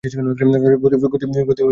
গতি ঠিকঠাকই আছে।